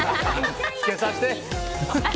つけさせて！